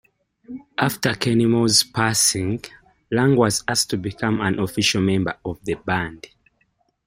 After Kennemore's passing, Lang was asked to become an official member of the band.